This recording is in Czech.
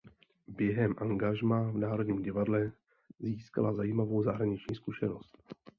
Během angažmá v Národním divadle získala zajímavou zahraniční zkušenost.